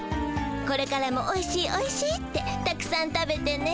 これからも「おいしいおいしい」ってたくさん食べてね。